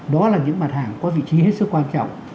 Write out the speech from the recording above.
đó là những mặt hàng có vị trí hết sức quan trọng